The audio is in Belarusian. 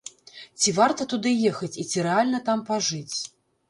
Ці варта туды ехаць і ці рэальна там пажыць?